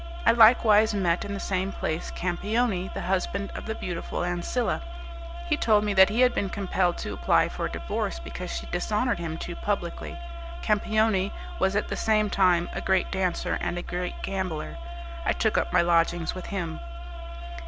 I likewise met in the same place Campioni, the husband of the beautiful Ancilla. He told me that he had been compelled to apply for a divorce because she dishonoured him too publicly. Campioni was at the same time a great dancer and a great gambler. I took up my lodgings with him.